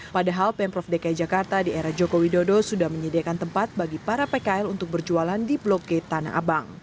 padahal pemprov dki jakarta di era joko widodo sudah menyediakan tempat bagi para pkl untuk berjualan di blok g tanah abang